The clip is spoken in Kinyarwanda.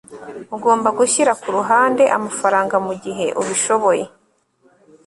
ugomba gushyira ku ruhande amafaranga mugihe ubishoboye